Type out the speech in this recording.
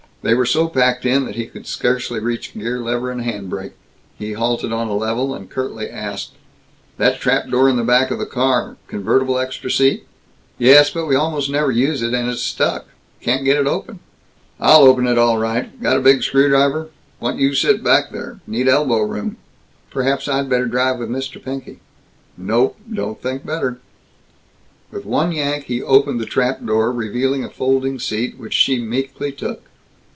They were so packed in that he could scarcely reach gear lever and hand brake. He halted on a level, and curtly asked, "That trap door in the back of the car convertible extra seat?" "Yes, but we almost never use it, and it's stuck. Can't get it open." "I'll open it all right! Got a big screwdriver? Want you sit back there. Need elbow room." "Perhaps I'd better drive with Mr. Pinky." "Nope. Don't think better." With one yank he opened the trap door, revealing a folding seat, which she meekly took.